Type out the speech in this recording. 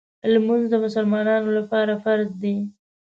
لمونځ د مسلمانانو لپاره فرض دی.